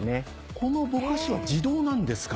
このぼかしは自動なんですか？